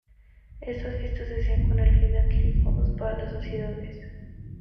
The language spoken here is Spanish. Estas fiestas se hacían con el fin de adquirir fondos para la Sociedades.